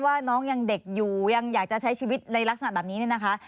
ว่าน้องยังเด็กอยู่ยังอยากจะใช้ชีวิตในลักษณะแบบนี้เนี่ยนะคะ